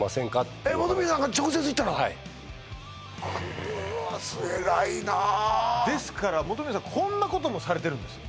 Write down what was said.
うわっ偉いなあですから本宮さんこんなこともされてるんです